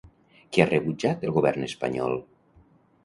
Què ha rebutjat el Govern espanyol?